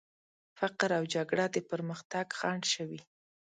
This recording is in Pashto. فقر او جګړه د پرمختګ خنډ شوي.